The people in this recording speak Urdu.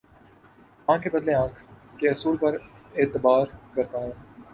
آنکھ کے بدلے آنکھ کے اصول پر اعتبار کرتا ہوں